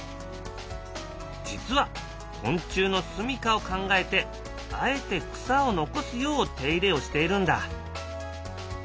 実は昆虫のすみかを考えてあえて草を残すよう手入れをしているんだ。